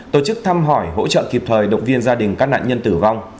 tổ chức thăm hỏi hỗ trợ kịp thời động viên gia đình các nạn nhân tử vong